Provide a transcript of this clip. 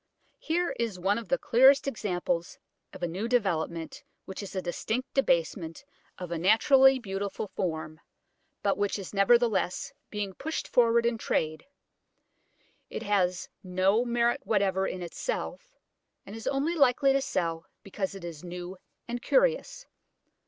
Here is one of the clearest examples of a new development which is a distinct debasement of a naturally beautiful form, but which is nevertheless being pushed forward in trade: it has no merit whatever in itself, and is only likely to sell because it is new and curious.